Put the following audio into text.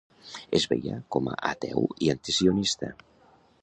Es veia com a ateu i antisionista.